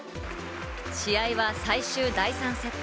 試合は最終第３セット。